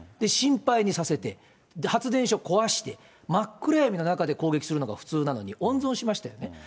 心配にさせて、発電所壊して、真っ暗闇の中で攻撃するのが普通なのに、温存しましたよね。